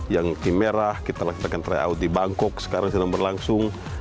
yang tim merah kita laksanakan tryout di bangkok sekarang sedang berlangsung